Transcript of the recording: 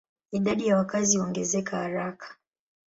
Idadi ya wakazi huongezeka haraka.